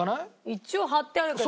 一応貼ってあるけど。